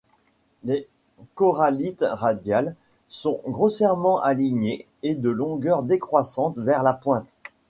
Les corallites radiales sont grossièrement alignés, et de longueur décroissante vers la pointe.